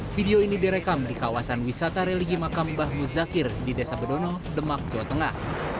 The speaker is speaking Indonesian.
video ini direkam di kawasan wisata religi makam bahmu zakir di desa bedono demak jawa tengah